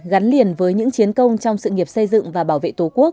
gắn liền với những chiến công trong sự nghiệp xây dựng và bảo vệ tổ quốc